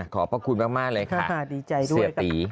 ขอบพระคุณมากเลยค่ะเสียบตีดีใจด้วยค่ะ